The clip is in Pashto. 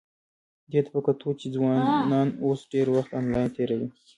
دې ته په کتو چې ځوانان اوس ډېر وخت انلاین تېروي،